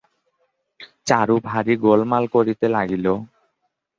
চারু ভারি গোলমাল করিতে লাগিল।